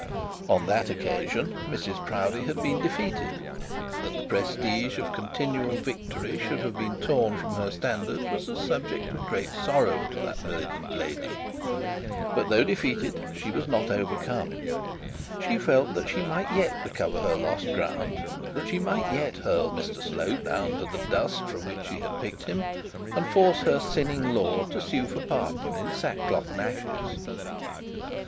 On that occasion, Mrs Proudie had been defeated. That from her standards was a subject of great sorrow to that militant lady; but though defeated, she was not overcome. She felt that she might yet recover her lost ground, that she might yet hurl Mr Slope down to the dust from which she had picked him, and force her sinning lord to sue for pardon in sackcloth and ashes.